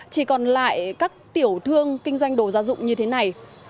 chỉ còn lại các tiểu thương kinh doanh đồ gia dụng như thế này